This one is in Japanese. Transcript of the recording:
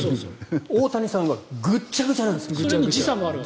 大谷さんはぐちゃぐちゃなんです。